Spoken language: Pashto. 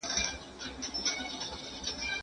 د لويي جرګې پخوانی تاریخ څوک موږ ته بیانوي؟